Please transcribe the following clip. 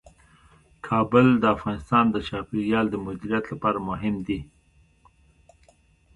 کابل د افغانستان د چاپیریال د مدیریت لپاره مهم دي.